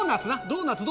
ドーナツ！